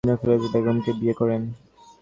তিনি ফয়জুননেসা বেগমকে বিয়ে করেন।